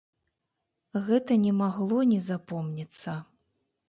Гэта не магло не запомніцца.